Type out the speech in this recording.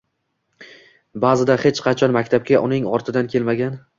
Basida hech qachon maktabga uning ortidan kelmagan